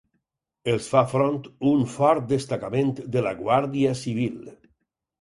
Els fa front un fort destacament de la Guàrdia Civil.